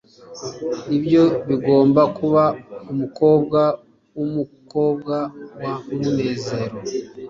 ibyo bigomba kuba umukobwa wumukobwa wa munezero